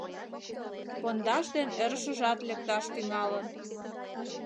Пондаш ден ӧрышыжат лекташ тӱҥалын.